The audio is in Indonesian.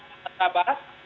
dari rakyat barat